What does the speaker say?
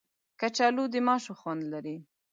کچالو د ماشو خوند لري